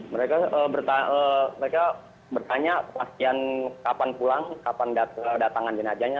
mereka bertanya pasien kapan pulang kapan kedatangan jenazahnya